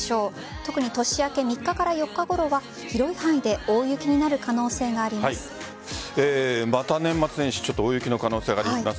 特に年明け３日から４日ごろは広い範囲で大雪になる可能性があります。